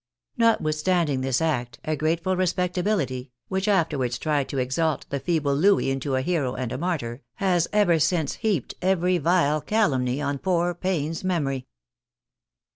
Notwithstanding this act, a grateful Respectability (which afterwards tried to exalt the feeble Louis into a hero and a martyr) has ever since heaped every vile calumny on poor Paine's memory.